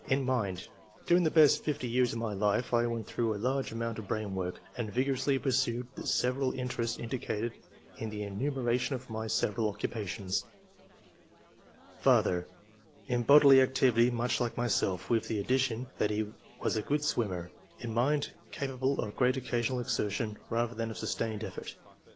In mind — During the best fifty years of my life I went through a large amount of brain work, and vigorously pursued the several interests indicated in the enumeration of my several occupations. Father — In bodily activity much like my self, with the addition that he was a good II.] QUALITIES, 85 swimmer. In miiid — Capable of great occasional exertion rather than of sustained effort.